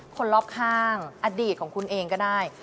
คนรอบข้างอดีตของคุณเองก็ได้